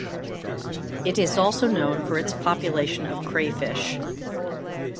It is also known for its population of crayfish.